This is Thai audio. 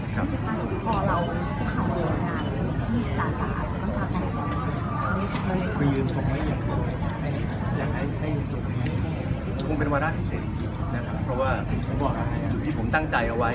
ก็คือเลือกสะดวกของสองฝ่ายกว่า